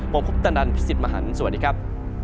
ผมคุปตะนันพี่สิทธิ์มหันฯสวัสดีครับ